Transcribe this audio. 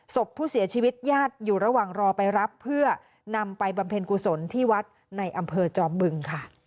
ศพผู้เสียชีวิตญาติอยู่ระหว่างรอไปรับเพื่อนำไปบำเพ็ญกุศลที่วัดในอำเภอจอมบึงค่ะ